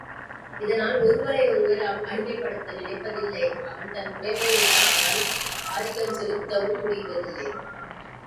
இதனால் ஒருவரை ஒருவர் அடிமைப்படுத்த நினைப்பதில்லை அவன் தன் உடைமை என அவள் ஆதிக்கம் செலுத்தவும் முடிவதில்லை.